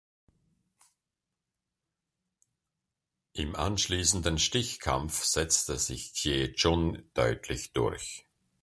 Im anschließenden Stichkampf setzte sich Xie Jun deutlich durch.